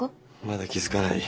まだ気付かない？